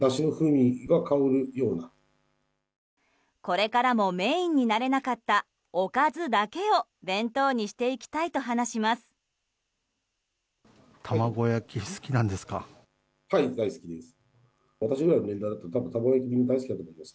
これからもメインになれなかったおかずだけを弁当にしていきたいと話します。